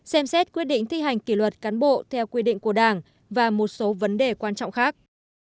xem xét quyết định thi hành kỷ luật cán bộ theo quy định của đảng và một số vấn đề quan trọng khác